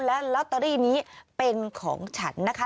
และลอตเตอรี่นี้เป็นของฉันนะคะ